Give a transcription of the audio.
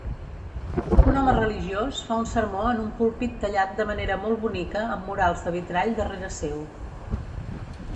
Un home religiós fa un sermó en un púlpit tallat de manera molt bonica amb murals de vitrall darrere seu.